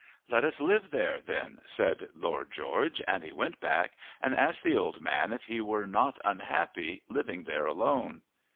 "Let us live there, then," said Lord George. And he went back and asked the old man if he were not unhappy, living there alone.